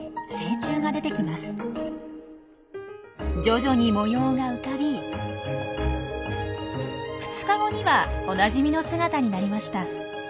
徐々に模様が浮かび２日後にはおなじみの姿になりました。